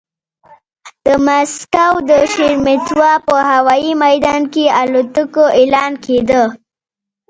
د مسکو د شېرېمېتوا په هوايي ميدان کې الوتکو اعلان کېده.